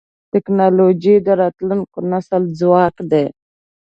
ټکنالوجي د راتلونکي نسل ځواک دی.